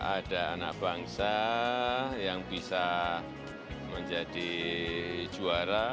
ada anak bangsa yang bisa menjadi juara